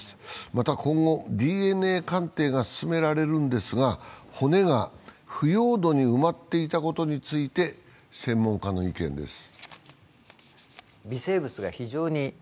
また、今後、ＤＮＡ鑑定が進められるんですが、骨が腐葉土に埋まっていたことについて専門家の意見です。